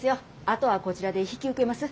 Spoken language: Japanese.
あとはこちらで引き受けます。